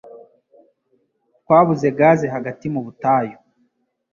Twabuze gaze hagati mu butayu.